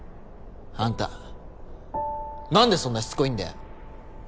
あんたなんでそんなしつこいんだよ！